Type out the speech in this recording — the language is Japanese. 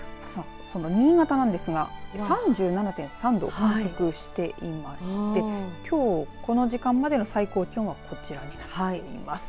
新潟なんですが３７．３度を観測していましてきょうこの時間までの最高気温はこちらになっています。